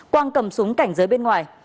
quang cầm súng cảnh giới bên ngoài